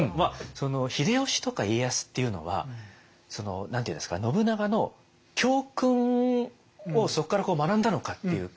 その秀吉とか家康っていうのは何ていうんですか信長の教訓をそこから学んだのかっていうか。